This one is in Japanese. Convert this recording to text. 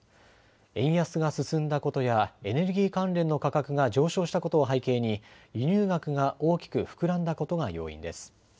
円安が進んだことやエネルギー関連の価格が上昇したことを背景に輸入額が大きく膨らんだことが要因です。